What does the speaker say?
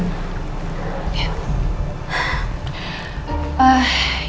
jadi gak mungkin